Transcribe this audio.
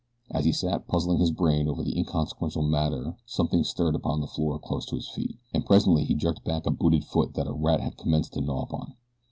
As he sat puzzling his brain over the inconsequential matter something stirred upon the floor close to his feet, and presently he jerked back a booted foot that a rat had commenced to gnaw upon.